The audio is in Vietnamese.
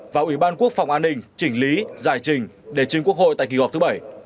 và ủy ban quốc phòng an ninh chỉnh lý giải trình để chính quốc hội tại kỳ họp thứ bảy